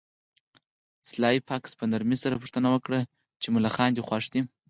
سلای فاکس په نرمۍ سره پوښتنه وکړه چې ملخان دې خوښ دي